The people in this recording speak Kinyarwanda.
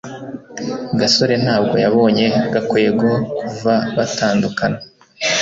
gasore ntabwo yabonye gakwego kuva batandukana